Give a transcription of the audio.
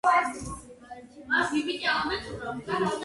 იგი დათანხმდა ორ სერიალში მონაწილეობაზე, რომლებიც ჰიტებად იქცნენ.